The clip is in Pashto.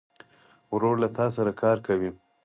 ورور له تا سره کار کوي.